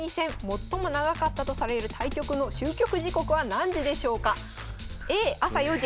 最も長かったとされる対局の終局時刻は何時でしょうか？